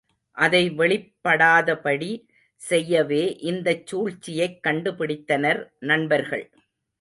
அதை வெளிப்படாதபடி செய்யவே இந்தச் சூழ்ச்சியைக் கண்டுபிடித்தனர் நண்பர்கள்.